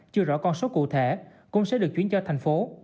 chưa rõ con số cụ thể cũng sẽ được chuyển cho thành phố